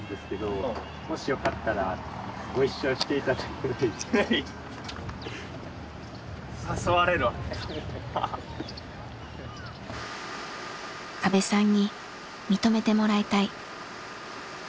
阿部さんに認めてもらいたい。